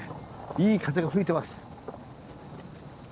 いい風が吹いてます。